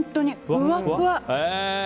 ふわっふわ。